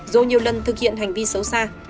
dù nhiều lần thực hiện hành vi xấu xa